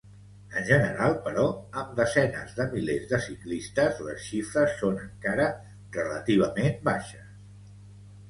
En general, però, amb desenes de milers de ciclistes, les xifres són encara relativament baixes.